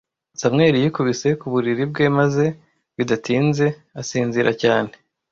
Samuel yikubise ku buriri bwe maze bidatinze asinzira cyane.